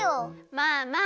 まあまあ。